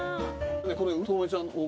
これ友美ちゃんを。